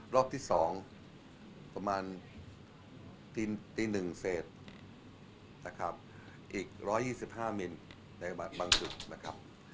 รอบที่สองประมาณปีหนึ่งเศษอีก๑๒๕มิลลิเมตรในบาทบางสุดนะครับ